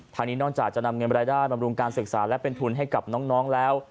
ทางนี้นอกจากจะนำเงินรายได้บำรุงการศึกษาและเป็นทุนให้กับน้องแล้ว